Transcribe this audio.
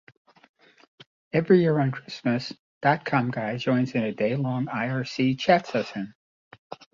Every year on Christmas DotComGuy joins in a day-long irc chat session.